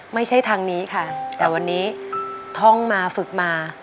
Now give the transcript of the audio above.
ไม่ใช่ทางนี้ค่ะแต่วันนี้ท่องมาฝึกมา